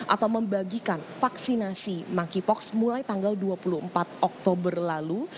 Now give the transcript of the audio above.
atau membagikan vaksinasi monkeypox mulai tanggal dua puluh empat oktober lalu